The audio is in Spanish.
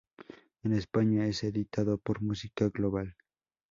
En España es editado por Música Global.